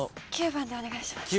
９番でお願いします。